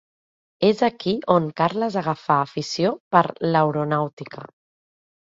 És aquí on Carles agafà afició per l'aeronàutica.